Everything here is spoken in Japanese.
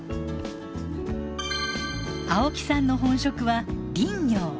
青木さんの本職は林業。